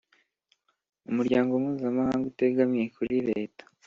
Umuryango mpuzamahanga utegamiye kuri Leta